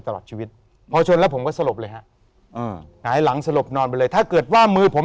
ตลอดชีวิตพอชนแล้วผมก็สลบเลยฮะอืมหงายหลังสลบนอนไปเลยถ้าเกิดว่ามือผม